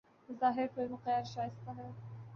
بظاہر فلم غیر شائستہ ہے